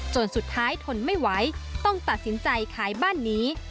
สุดท้ายทนไม่ไหวต้องตัดสินใจขายบ้านนี้